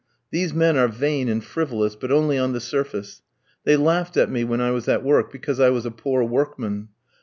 These men are vain and frivolous, but only on the surface. They laughed at me when I was at work, because I was a poor workman.